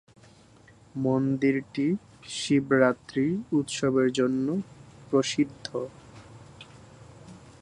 মন্দিরটি শিবরাত্রি উৎসবের জন্য প্রসিদ্ধ।